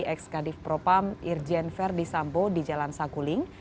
di ekskadif propam irjen verdi sambo di jalan sakuling